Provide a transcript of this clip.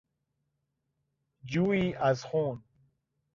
جویی از خون